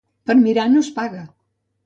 Per mirar no es paga.